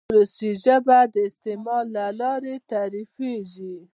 وولسي ژبه د استعمال له لارې تعریفېږي.